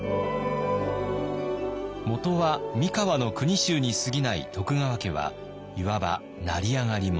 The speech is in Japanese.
もとは三河の国衆にすぎない徳川家はいわば成り上がり者。